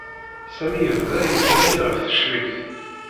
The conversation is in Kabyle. Sami yebda yettnadi ɣef tekrict.